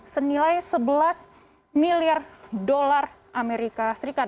senilai sebelas miliar dolar amerika serikat